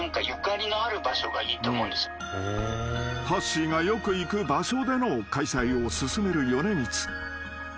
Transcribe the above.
［はっしーがよく行く場所での開催を勧める米光］